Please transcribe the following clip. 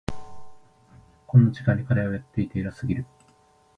こんな時間に課題をやっていて偉すぎる。